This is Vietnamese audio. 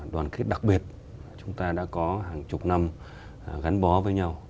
đoàn kết đặc biệt chúng ta đã có hàng chục năm gắn bó với nhau